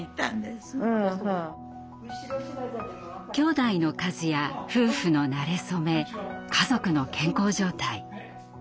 きょうだいの数や夫婦のなれ初め家族の健康状態。